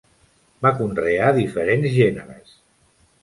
Va conrear diferents gèneres.